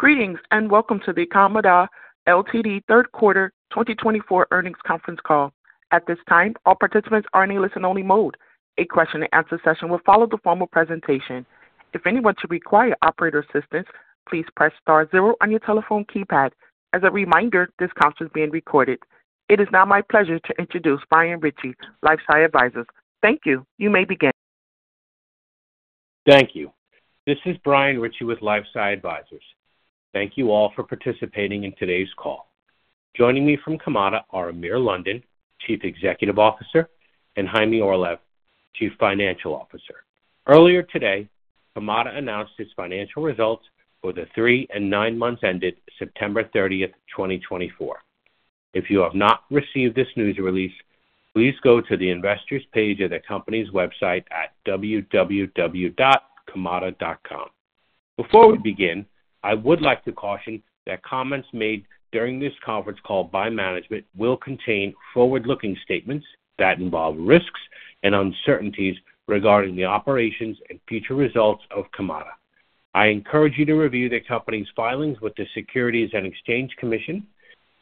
Greetings and welcome to the Kamada Ltd. third quarter 2024 earnings conference call. At this time, all participants are in a listen-only mode. A question-and-answer session will follow the formal presentation. If anyone should require operator assistance, please press star zero on your telephone keypad. As a reminder, this conference is being recorded. It is now my pleasure to introduce Brian Richie, LifeSci Advisors. Thank you. You may begin. Thank you. This is Brian Richie with LifeSci Advisors. Thank you all for participating in today's call. Joining me from Kamada are Amir London, Chief Executive Officer, and Chaime Orlev, Chief Financial Officer. Earlier today, Kamada announced its financial results for the three and nine months ended September 30th, 2024. If you have not received this news release, please go to the investors' page of the company's website at www.kamada.com. Before we begin, I would like to caution that comments made during this conference call by management will contain forward-looking statements that involve risks and uncertainties regarding the operations and future results of Kamada. I encourage you to review the company's filings with the Securities and Exchange Commission,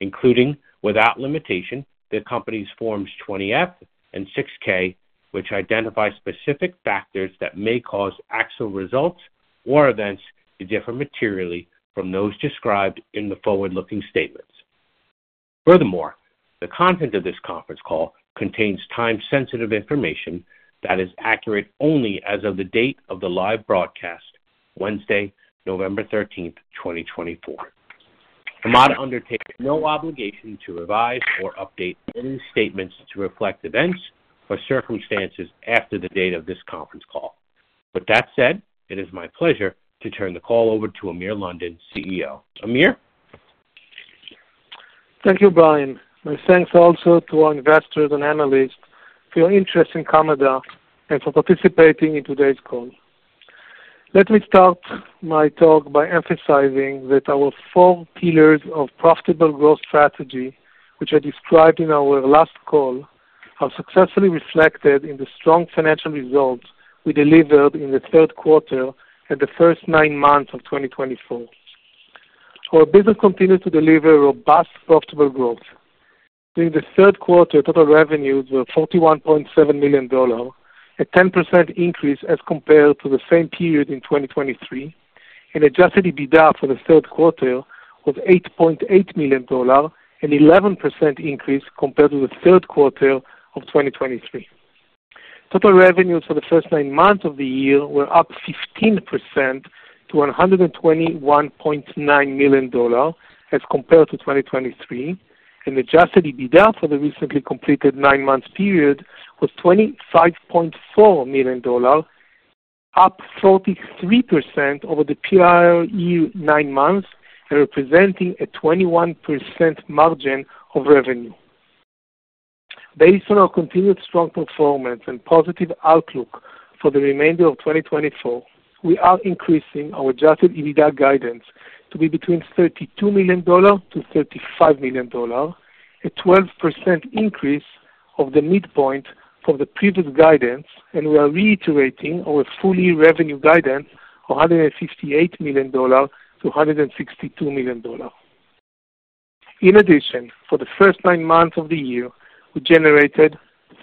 including, without limitation, the company's Forms 20-F and 6-K, which identify specific factors that may cause actual results or events to differ materially from those described in the forward-looking statements. Furthermore, the content of this conference call contains time-sensitive information that is accurate only as of the date of the live broadcast, Wednesday, November 13th, 2024. Kamada undertakes no obligation to revise or update any statements to reflect events or circumstances after the date of this conference call. With that said, it is my pleasure to turn the call over to Amir London, CEO. Amir? Thank you, Brian. My thanks also to our investors and analysts for your interest in Kamada and for participating in today's call. Let me start my talk by emphasizing that our four pillars of profitable growth strategy, which I described in our last call, are successfully reflected in the strong financial results we delivered in the third quarter and the first nine months of 2024. Our business continues to deliver robust profitable growth. During the third quarter, total revenues were $41.7 million, a 10% increase as compared to the same period in 2023, and Adjusted EBITDA for the third quarter was $8.8 million, an 11% increase compared to the third quarter of 2023. Total revenues for the first nine months of the year were up 15% to $121.9 million as compared to 2023, and adjusted EBITDA for the recently completed nine-month period was $25.4 million, up 43% over the prior nine months and representing a 21% margin of revenue. Based on our continued strong performance and positive outlook for the remainder of 2024, we are increasing our adjusted EBITDA guidance to be between $32 million-$35 million, a 12% increase of the midpoint from the previous guidance, and we are reiterating our full-year revenue guidance of $158 million-$162 million. In addition, for the first nine months of the year, we generated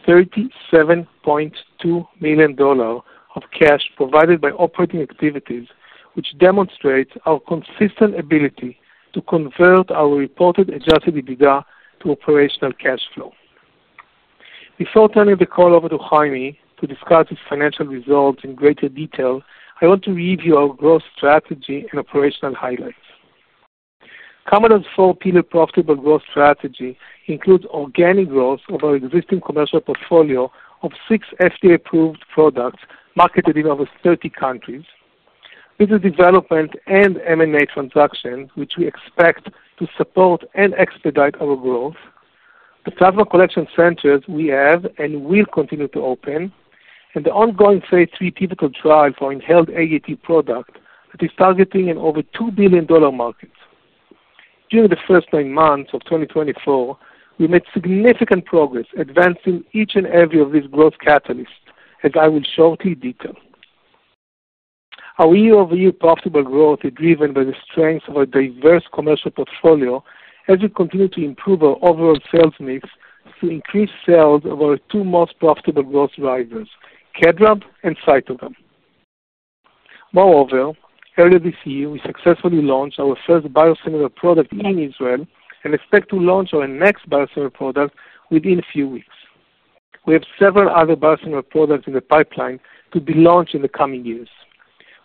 $37.2 million of cash provided by operating activities, which demonstrates our consistent ability to convert our reported adjusted EBITDA to operational cash flow. Before turning the call over to Chaime to discuss his financial results in greater detail, I want to review our growth strategy and operational highlights. Kamada's four-pillar profitable growth strategy includes organic growth of our existing commercial portfolio of six FDA-approved products marketed in over 30 countries, business development and M&A transactions, which we expect to support and expedite our growth, the plasma collection centers we have and will continue to open, and the ongoing phase 3 pivotal trial for Inhaled AAT product that is targeting an over $2 billion market. During the first nine months of 2024, we made significant progress, advancing each and every of these growth catalysts, as I will shortly detail. Our year-over-year profitable growth is driven by the strength of our diverse commercial portfolio as we continue to improve our overall sales mix to increase sales of our two most profitable growth drivers, KEDRAB and CYTOGAM. Moreover, earlier this year, we successfully launched our first biosimilar product in Israel and expect to launch our next biosimilar product within a few weeks. We have several other biosimilar products in the pipeline to be launched in the coming years.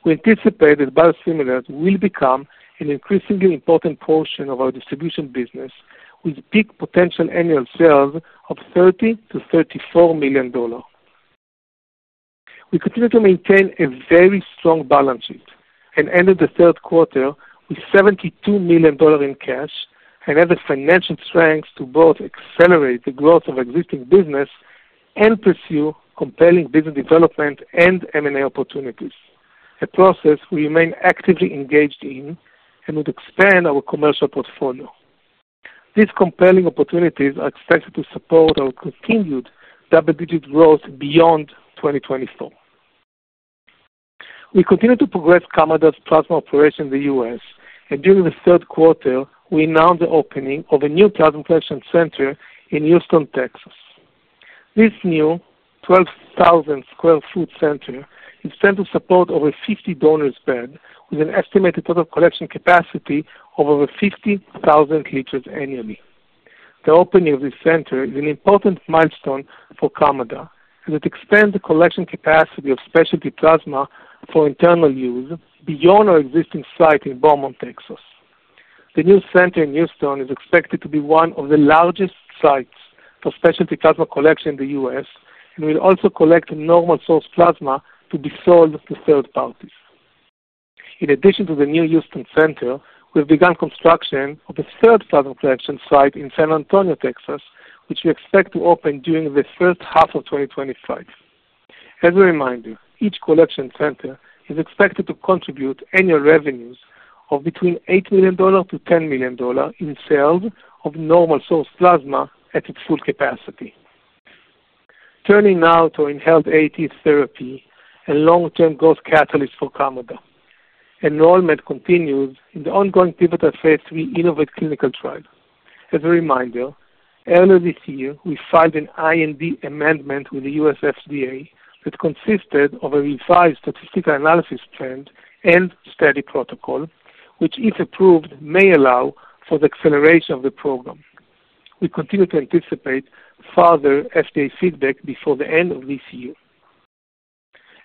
We anticipate that biosimilars will become an increasingly important portion of our distribution business, with peak potential annual sales of $30-$34 million. We continue to maintain a very strong balance sheet and ended the third quarter with $72 million in cash and have the financial strength to both accelerate the growth of existing business and pursue compelling business development and M&A opportunities, a process we remain actively engaged in and would expand our commercial portfolio. These compelling opportunities are expected to support our continued double-digit growth beyond 2024. We continue to progress Kamada's plasma operation in the U.S., and during the third quarter, we announced the opening of a new plasma collection center in Houston, Texas. This new 12,000 sq ft center is set to support over 50 donors' beds, with an estimated total collection capacity of over 50,000 liters annually. The opening of this center is an important milestone for Kamada as it expands the collection capacity of specialty plasma for internal use beyond our existing site in Beaumont, Texas. The new center in Houston is expected to be one of the largest sites for specialty plasma collection in the U.S. and will also collect normal-source plasma to be sold to third parties. In addition to the new Houston center, we have begun construction of the third plasma collection site in San Antonio, Texas, which we expect to open during the first half of 2025. As a reminder, each collection center is expected to contribute annual revenues of between $8 million-$10 million in sales of normal-source plasma at its full capacity. Turning now to our inhaled AAT therapy and long-term growth catalyst for Kamada, enrollment continues in the ongoing pivotal phase three InnovAATe clinical trial. As a reminder, earlier this year, we filed an IND amendment with the U.S. FDA that consisted of a revised statistical analysis plan and study protocol, which, if approved, may allow for the acceleration of the program. We continue to anticipate further FDA feedback before the end of this year.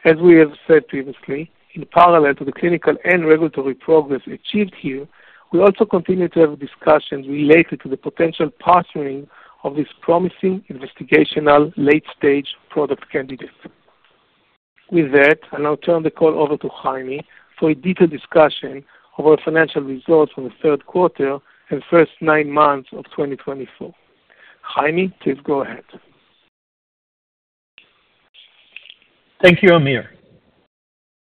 As we have said previously, in parallel to the clinical and regulatory progress achieved here, we also continue to have discussions related to the potential partnering of this promising investigational late-stage product candidate. With that, I now turn the call over to Chaime for a detailed discussion of our financial results for the third quarter and first nine months of 2024. Chaime, please go ahead. Thank you, Amir.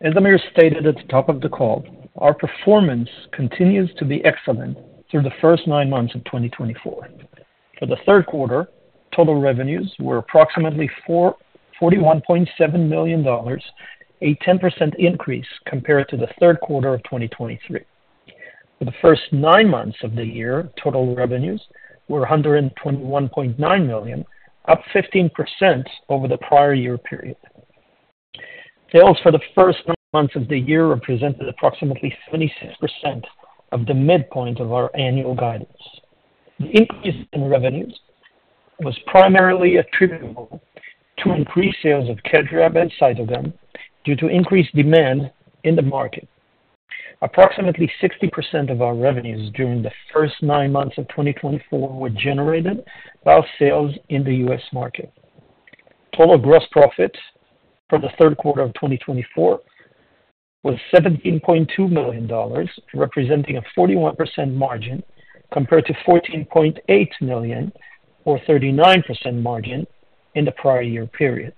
As Amir stated at the top of the call, our performance continues to be excellent through the first nine months of 2024. For the third quarter, total revenues were approximately $41.7 million, a 10% increase compared to the third quarter of 2023. For the first nine months of the year, total revenues were $121.9 million, up 15% over the prior year period. Sales for the first nine months of the year represented approximately 76% of the midpoint of our annual guidance. The increase in revenues was primarily attributable to increased sales of KEDRAB and CYTOGAM due to increased demand in the market. Approximately 60% of our revenues during the first nine months of 2024 were generated by our sales in the US market. Total gross profit for the third quarter of 2024 was $17.2 million, representing a 41% margin compared to $14.8 million, or 39% margin, in the prior year period.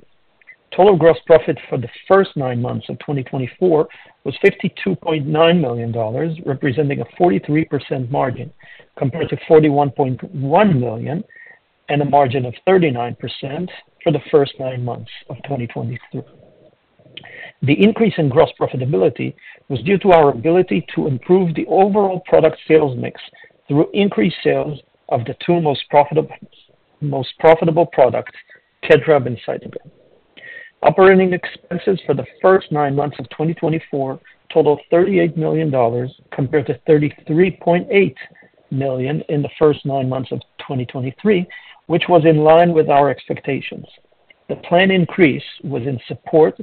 Total gross profit for the first nine months of 2024 was $52.9 million, representing a 43% margin compared to $41.1 million and a margin of 39% for the first nine months of 2023. The increase in gross profitability was due to our ability to improve the overall product sales mix through increased sales of the two most profitable products, KEDRAB and CYTOGAM. Operating expenses for the first nine months of 2024 totaled $38 million compared to $33.8 million in the first nine months of 2023, which was in line with our expectations. The planned increase was in support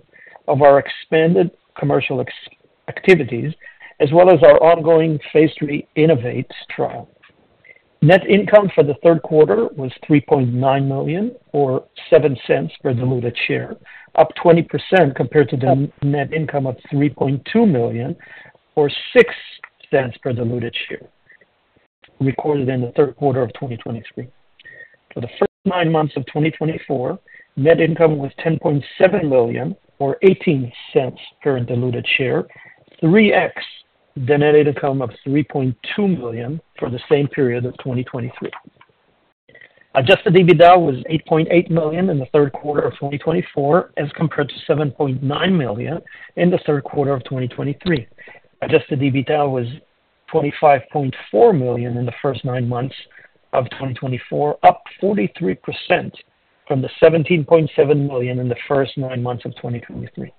of our expanded commercial activities as well as our ongoing phase three InnovAATe trial. Net income for the third quarter was $3.9 million, or $0.07 per diluted share, up 20% compared to the net income of $3.2 million, or $0.06 per diluted share, recorded in the third quarter of 2023. For the first nine months of 2024, net income was $10.7 million, or $0.18 per diluted share, 3x the net income of $3.2 million for the same period of 2023. Adjusted EBITDA was $8.8 million in the third quarter of 2024 as compared to $7.9 million in the third quarter of 2023. Adjusted EBITDA was $25.4 million in the first nine months of 2024, up 43% from the $17.7 million in the first nine months of 2023.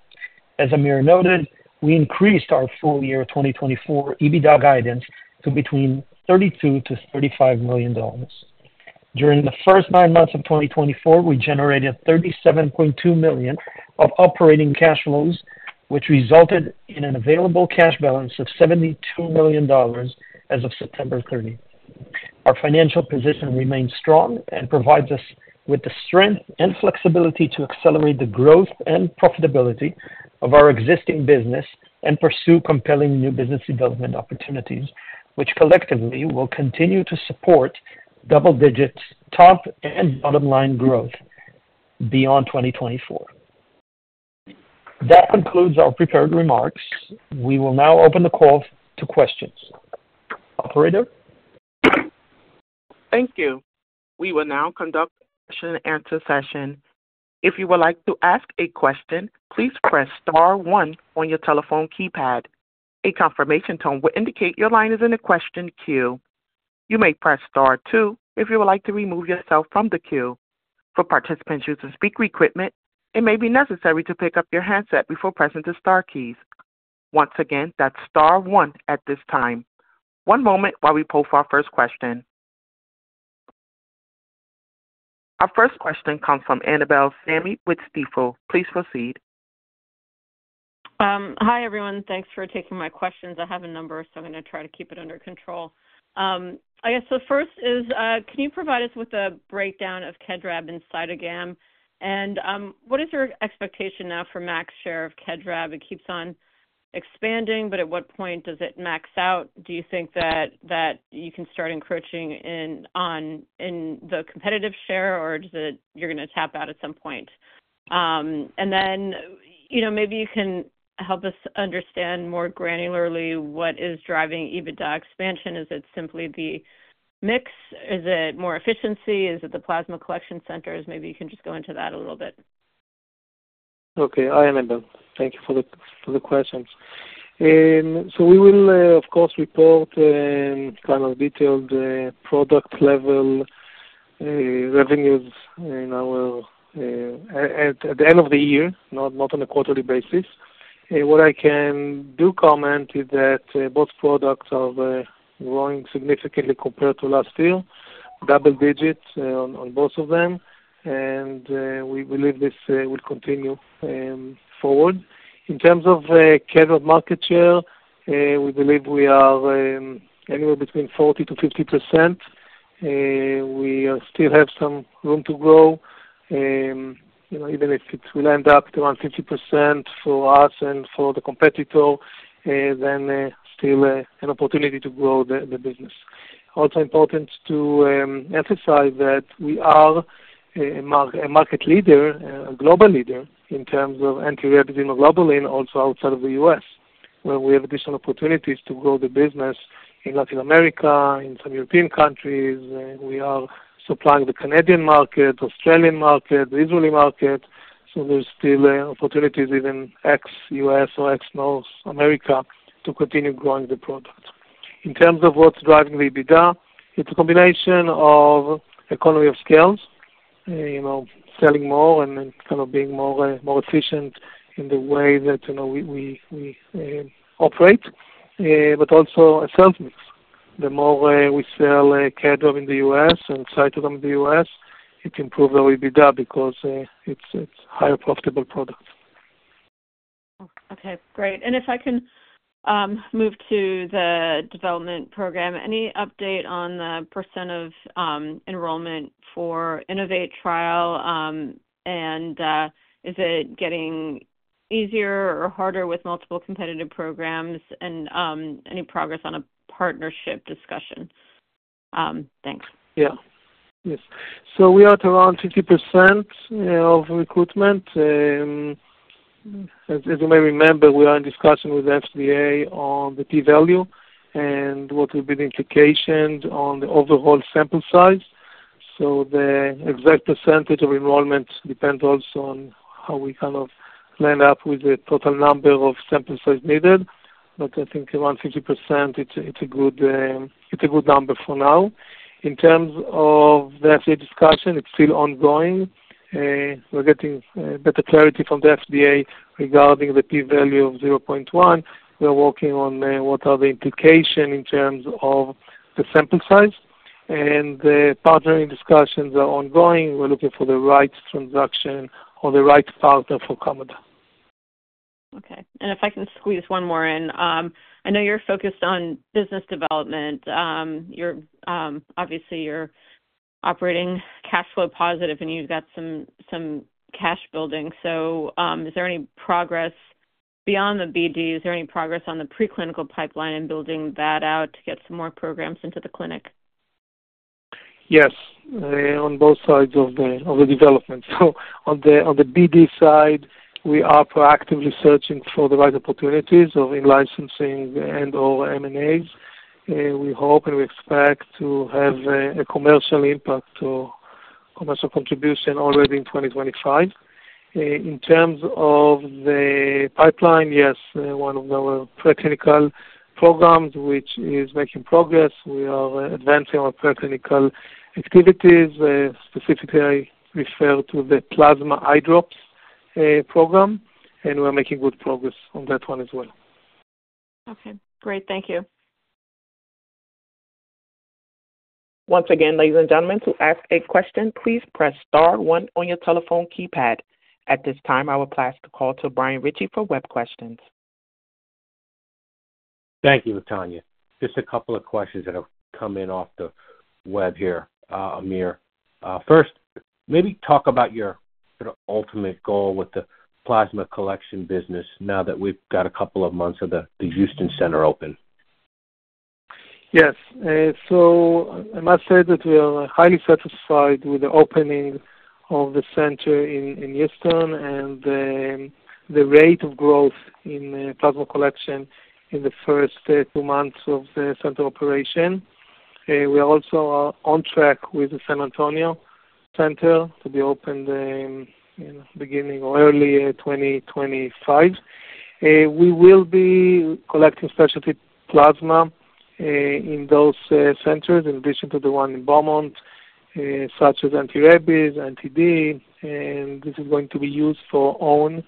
As Amir noted, we increased our full-year 2024 EBITDA guidance to between $32 to $35 million. During the first nine months of 2024, we generated $37.2 million of operating cash flows, which resulted in an available cash balance of $72 million as of September 30th. Our financial position remains strong and provides us with the strength and flexibility to accelerate the growth and profitability of our existing business and pursue compelling new business development opportunities, which collectively will continue to support double-digit top and bottom-line growth beyond 2024. That concludes our prepared remarks. We will now open the call to questions. Operator? Thank you. We will now conduct a question-and-answer session. If you would like to ask a question, please press Star 1 on your telephone keypad. A confirmation tone will indicate your line is in a question queue. You may press Star 2 if you would like to remove yourself from the queue. For participants using speaker equipment, it may be necessary to pick up your handset before pressing the Star keys. Once again, that's Star 1 at this time. One moment while we post our first question. Our first question comes from Annabel Samimy with Stifel. Please proceed. Hi, everyone. Thanks for taking my questions. I have a number, so I'm going to try to keep it under control. I guess the first is, can you provide us with a breakdown of KEDRAB and CYTOGAM? And what is your expectation now for max share of KEDRAB? It keeps on expanding, but at what point does it max out? Do you think that you can start encroaching on the competitive share, or is it you're going to tap out at some point? And then maybe you can help us understand more granularly what is driving EBITDA expansion. Is it simply the mix? Is it more efficiency? Is it the plasma collection centers? Maybe you can just go into that a little bit. Okay. Hi, Annabel. Thank you for the questions. So we will, of course, report kind of detailed product-level revenues at the end of the year, not on a quarterly basis. What I can do comment is that both products are growing significantly compared to last year, double-digit on both of them, and we believe this will continue forward. In terms of KEDRAB market share, we believe we are anywhere between 40%-50%. We still have some room to grow. Even if it will end up around 50% for us and for the competitor, then still an opportunity to grow the business. Also important to emphasize that we are a market leader, a global leader in terms of anti-rabies immunoglobulin, also outside of the U.S., where we have additional opportunities to grow the business in Latin America, in some European countries. We are supplying the Canadian market, Australian market, the Israeli market, so there's still opportunities, even ex-US or ex-North America, to continue growing the product. In terms of what's driving the EBITDA, it's a combination of economies of scale, selling more and kind of being more efficient in the way that we operate, but also a sales mix. The more we sell KEDRAB in the US and CYTOGAM in the US, it improves our EBITDA because it's a higher profitable product. Okay. Great. And if I can move to the development program, any update on the percent of enrollment for InnovAATe trial? And is it getting easier or harder with multiple competitive programs? And any progress on a partnership discussion? Thanks. Yeah. Yes. So we are at around 50% of recruitment. As you may remember, we are in discussion with the FDA on the P-value and what will be the implications on the overall sample size. So the exact percentage of enrollment depends also on how we kind of end up with the total number of sample size needed. But I think around 50%, it's a good number for now. In terms of the FDA discussion, it's still ongoing. We're getting better clarity from the FDA regarding the P-value of 0.1. We're working on what are the implications in terms of the sample size. And the partnering discussions are ongoing. We're looking for the right transaction or the right partner for Kamada. Okay. And if I can squeeze one more in, I know you're focused on business development. Obviously, you're operating cash flow positive, and you've got some cash building. So is there any progress beyond the BD? Is there any progress on the preclinical pipeline and building that out to get some more programs into the clinic? Yes. On both sides of the development. So on the BD side, we are proactively searching for the right opportunities in licensing and/or M&As. We hope and we expect to have a commercial impact or commercial contribution already in 2025. In terms of the pipeline, yes, one of our preclinical programs, which is making progress. We are advancing our preclinical activities. Specifically, I refer to the plasma eye drops program, and we are making good progress on that one as well. Okay. Great. Thank you. Once again, ladies and gentlemen, to ask a question, please press Star 1 on your telephone keypad. At this time, I will pass the call to Brian Richie for web questions. Thank you, Latonya. Just a couple of questions that have come in off the web here, Amir. First, maybe talk about your ultimate goal with the plasma collection business now that we've got a couple of months of the Houston Center open? Yes. So I must say that we are highly satisfied with the opening of the center in Houston and the rate of growth in plasma collection in the first two months of the center operation. We are also on track with the San Antonio Center to be opened in the beginning or early 2025. We will be collecting specialty plasma in those centers in addition to the one in Beaumont, such as anti-rabies, anti-D. And this is going to be used for own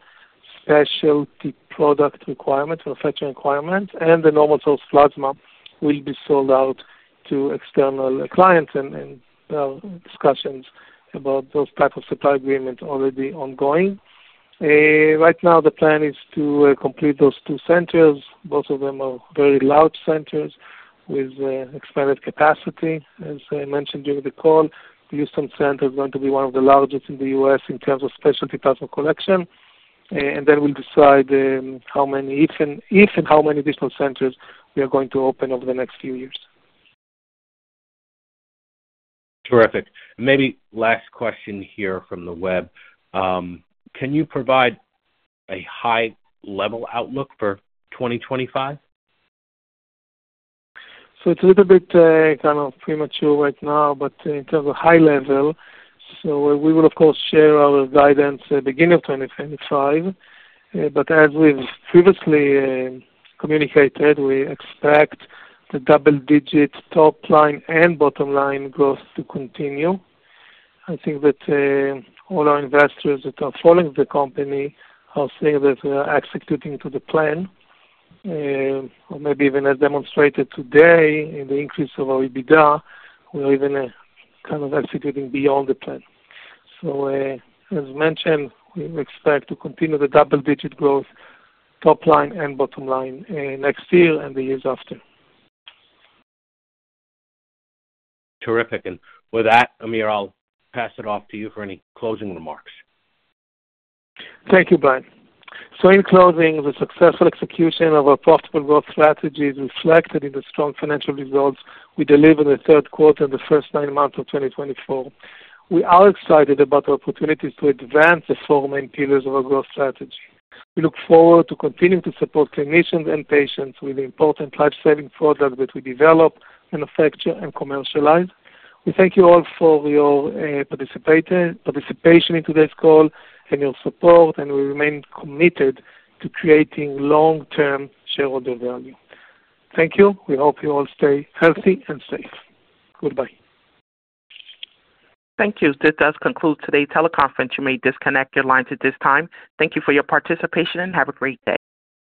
specialty product requirements or special requirements. And the normal-source plasma will be sold out to external clients. And there are discussions about those types of supply agreements already ongoing. Right now, the plan is to complete those two centers. Both of them are very large centers with expanded capacity. As I mentioned during the call, the Houston Center is going to be one of the largest in the U.S. in terms of specialty plasma collection, and then we'll decide how many, if any, additional centers we are going to open over the next few years. Terrific. Maybe last question here from the web. Can you provide a high-level outlook for 2025? So it's a little bit kind of premature right now, but in terms of high-level, so we will, of course, share our guidance at the beginning of 2025. But as we've previously communicated, we expect the double-digit top line and bottom line growth to continue. I think that all our investors that are following the company are seeing that we are executing to the plan. Or maybe even as demonstrated today in the increase of our EBITDA, we are even kind of executing beyond the plan. So as mentioned, we expect to continue the double-digit growth top line and bottom line next year and the years after. Terrific. And with that, Amir, I'll pass it off to you for any closing remarks. Thank you, Brian. So in closing, the successful execution of our profitable growth strategies reflected in the strong financial results we delivered in the third quarter and the first nine months of 2024. We are excited about the opportunities to advance the four main pillars of our growth strategy. We look forward to continuing to support clinicians and patients with the important lifesaving products that we develop, manufacture, and commercialize. We thank you all for your participation in today's call and your support, and we remain committed to creating long-term shareholder value. Thank you. We hope you all stay healthy and safe. Goodbye. Thank you. This does conclude today's teleconference. You may disconnect your lines at this time. Thank you for your participation and have a great day.